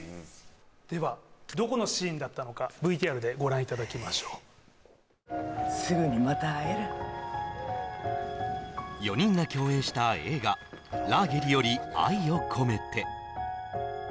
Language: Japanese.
ではどこのシーンだったのかＶＴＲでご覧いただきましょうすぐにまた会える４人が共演した映画「ラーゲリより愛を込めて」